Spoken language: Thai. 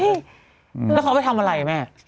แล้วเขาไปทำอะไรแม่